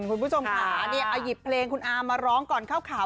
คุณผู้ชมค่ะเอาหยิบเพลงคุณอามาร้องก่อนเข้าข่าว